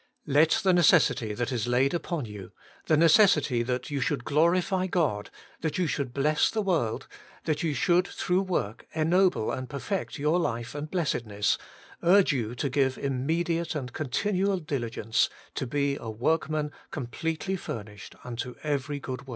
Let the neces sity that is laid upon you — the necessity that you should glorify God, that you should bless the world, that you should through work ennoble and perfect your life and blessedness, urge you to give immedi ate and continual diligence to be a work man completely furnished unto every good work.